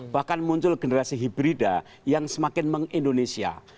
bahkan muncul generasi hibrida yang semakin meng indonesia